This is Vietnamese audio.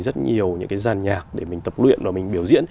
rất nhiều những cái giàn nhạc để mình tập luyện và mình biểu diễn